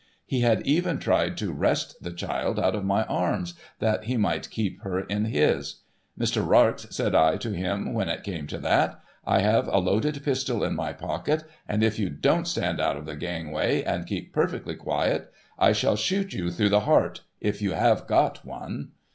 He had even tried to wrest the child out of my arms, that he might keep her in his. ' Mr. Rarx,' said I to him when it came to that, ' I have a loaded pistol in my pocket ; and if you don't stand out of the gangway, and keep perfectly quiet, I shall shoot you through the heart, if you have got one.'